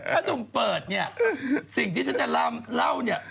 ถ้านุ่มเปิดนี่สิ่งที่จะเล่านี่